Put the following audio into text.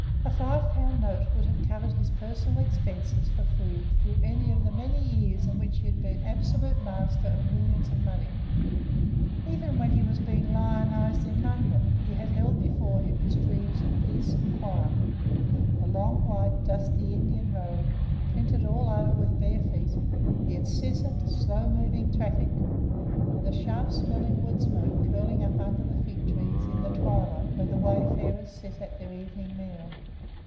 A five pound note would have covered his personal expenses for food through any one of the many years in which he had been absolute master of millions of money. Even when he was being lionised in London he had held before him his dream of peace and quiet the long, white, dusty Indian road, printed all over with bare feet, the incessant, slow moving traffic, and the sharp smelling wood smoke curling up under the fig trees in the twilight, where the wayfarers sit at their evening meal.